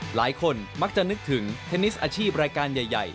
หลายคนมักจะนึกถึงเทนนิสอาชีพรายการใหญ่